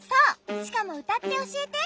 しかもうたっておしえて？